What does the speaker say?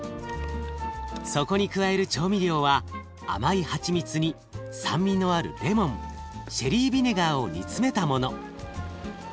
そこに加える調味料は甘いはちみつに酸味のあるレモンシェリービネガーを煮詰めたもの。